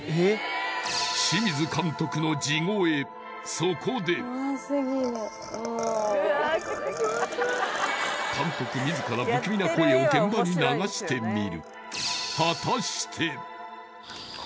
そこで監督自ら不気味な声を現場に流してみる